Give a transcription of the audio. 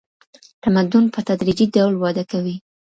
تمدن په تدریجي ډول وده کوي.